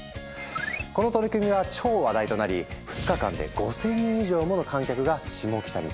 この取り組みは超話題となり２日間で５，０００人以上もの観客がシモキタに詰めかけた。